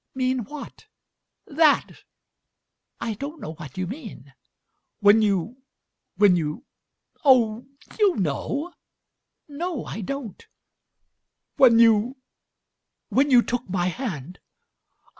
"Mean what?" "That!" "I don't know what you mean." "When you — when you — oh, you know!" "No, I don't." "When you — when you took my hand."